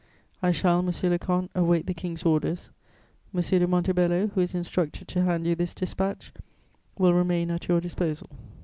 I shall, monsieur le comte, await the King's orders. M. de Montebello, who is instructed to hand you this dispatch, will remain at your disposal.